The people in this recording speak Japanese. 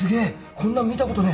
こんなん見たことねー！」